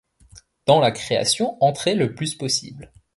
Dans la création entraient le plus possible